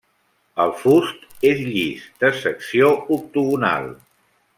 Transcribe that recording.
El fust és llis, de secció octogonal.